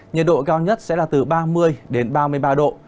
nhiệt độ cao nhất sẽ là từ ba mươi đến ba mươi ba độ